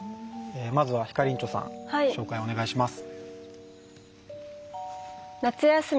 まずは、ひかりんちょさん紹介をお願いします。